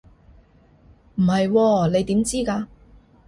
唔係喎，你點知㗎？